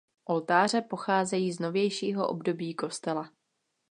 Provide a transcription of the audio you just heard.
Oltáře pocházejí z novějšího období kostela.